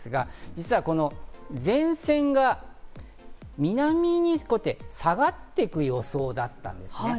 実はこの前線が南に下がっていく予想だったんですね。